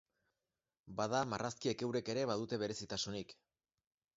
Bada, marrazkiek eurek ere badute berezitasunik.